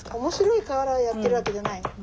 面白いからやってるわけじゃない。